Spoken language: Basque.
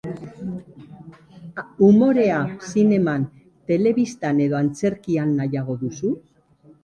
Umorea, zineman, telebistan edo antzerkian nahiago duzu?